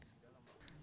dan membuatnya lebih baik